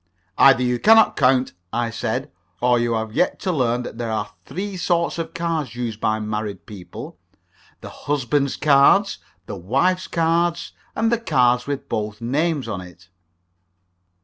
"Either you cannot count," I said, "or you have yet to learn that there are three sorts of cards used by married people the husband's cards, the wife's cards, and the card with both names on it."